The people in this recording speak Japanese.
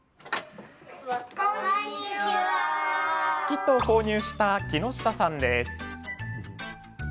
キットを購入した木下さんです。